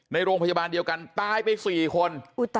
ในโรงพยาบาลเดียวกันตายไป๔คน